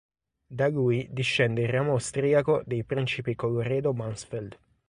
Da lui discende il ramo austriaco dei principi Colloredo Mansfeld.